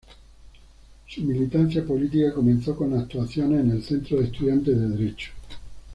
Su militancia política comenzó con actuaciones en el Centro de Estudiantes de Derecho.